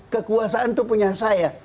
kekuasaan itu punya saya